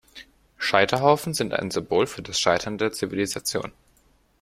Scheiterhaufen sind ein Symbol für das Scheitern der Zivilisation.